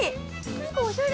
何かおしゃれ。